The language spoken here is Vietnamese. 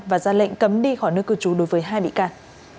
và ra lệnh cấm đi khỏi nước cửa chú đối với hai bị can